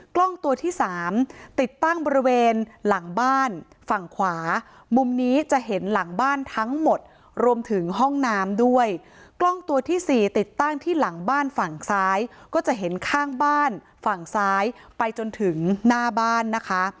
กล้องตัวที่สามติดตั้งบริเวณหลังบ้านฝั่งขวามุมนี้จะเห็นหลังบ้านทั้งหมดรวมถึงห้องน้ำด้วยกล้องตัวที่สี่ติดตั้งที่หลังบ้านฝั่งซ้ายก็จะเห็นข้างบ้านฝั่งซ้ายไปจนถึงหน้าบ้านนะคะ